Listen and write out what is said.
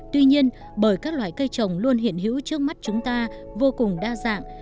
tuy nhiên bởi các loại cây trồng luôn hiện hữu trước mắt chúng ta vô cùng đa dạng